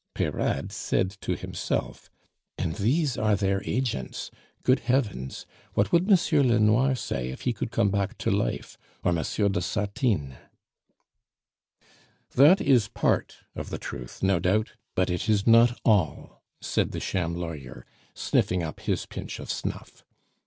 Peyrade said to himself: "And these are their agents! Good Heavens! what would Monsieur Lenoir say if he could come back to life, or Monsieur de Sartines?" "That is part of the truth, no doubt, but it is not all," said the sham lawyer, sniffing up his pinch of snuff.